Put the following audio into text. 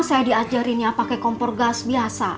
saya diajarinnya pakai kompor gas biasa